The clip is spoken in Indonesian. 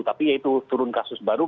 tapi yaitu turun kasus baru